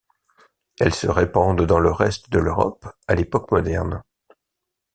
Elles se répandent dans le reste de l'Europe à l'époque moderne.